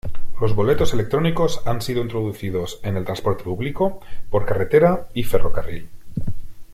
Los boletos electrónicos han sido introducidos en el transporte público, por carretera y ferrocarril.